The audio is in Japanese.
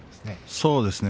そうですね。